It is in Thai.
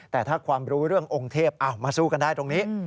แต่ถ้าความรู้เรื่ององค์เทพมาสู้กันได้ตรงนี้